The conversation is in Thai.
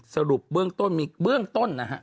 สรุปเบื้องต้นมีเบื้องต้นนะฮะ